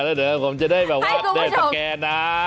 เดี๋ยวผมจะได้แบบว่าเดินสแกนนะ